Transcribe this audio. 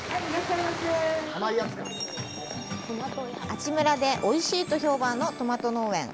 阿智村でおいしいと評判のトマト農園。